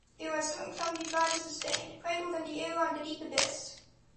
Their uncertain, clumsy flight is sustained, cradled in the air on the deep abyss.